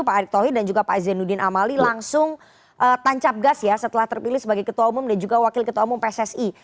pak erick thohir dan juga pak zainuddin amali langsung tancap gas ya setelah terpilih sebagai ketua umum dan juga wakil ketua umum pssi